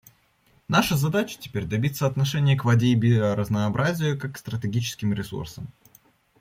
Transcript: Наша задача теперь — добиться отношения к воде и биоразнообразию как к стратегическим ресурсам.